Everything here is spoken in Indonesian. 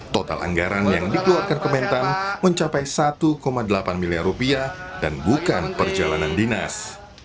total anggaran yang dikeluarkan kementan mencapai satu delapan miliar rupiah dan bukan perjalanan dinas